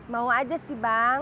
mau aja sih bang